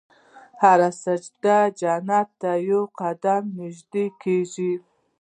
هر سجدې ته جنت ته یو قدم نژدې کېږي.